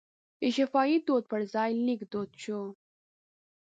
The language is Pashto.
د شفاهي دود پر ځای لیک دود شو.